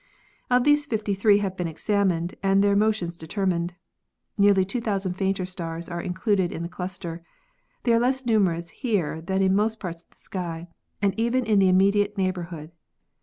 Of these 53 have been examined and their mo tions determined. Nearly 2,000 fainter stars are in cluded in the cluster. They are less numerous here than in most parts of the sky and even in the immediate neigh borhood.